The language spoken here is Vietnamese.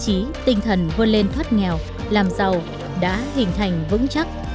những lý tinh thần vươn lên thoát nghèo làm giàu đã hình thành vững chắc